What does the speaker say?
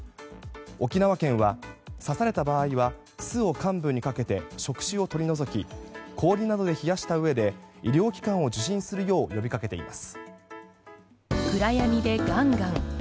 沖縄県は刺された場合には酢を患部にかけて触手を取り除き氷などで冷やしたうえで医療機関を受診するよう呼びかけています。